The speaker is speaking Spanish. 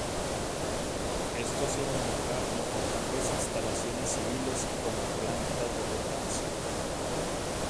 Estos eran el hogar de importantes instalaciones civiles, como plantas de potasio.